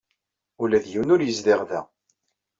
Ula d yiwen ur yezdiɣ da.